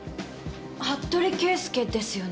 服部圭介ですよね？